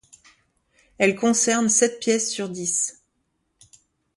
Elle concerne sept pièces sur dix.